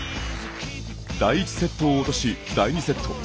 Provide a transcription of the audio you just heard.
第１セットを落とし、第２セット。